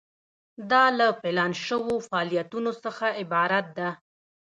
دا له پلان شوو فعالیتونو څخه عبارت ده.